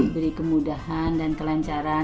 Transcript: beri kemudahan dan kelancaran